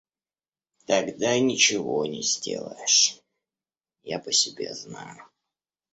Тогда ничего не сделаешь, я по себе знаю.